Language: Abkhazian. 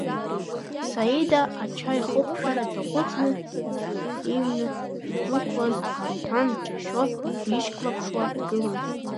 Саида ачаихыҟәшәара даҟәыҵны, иҩны идәықәлаз Аруҭан дџьашьо дишьклаԥшуа дгылан.